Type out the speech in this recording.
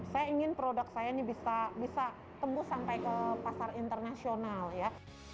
saya ini bisa tembus sampai ke pasar internasional ya